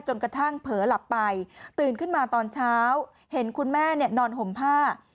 จนกระทั่งเผลอหลับไปตื่นขึ้นมาตอนเช้าเห็นคุณแม่นอนห่มผ้า